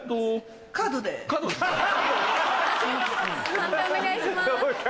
判定お願いします。